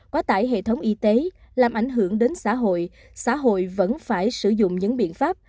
quá tải hệ thống y tế làm ảnh hưởng đến xã hội xã hội vẫn phải sử dụng những biện pháp